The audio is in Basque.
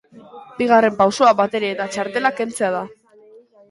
Bigarren pausoa bateria eta txartelak kentzea da.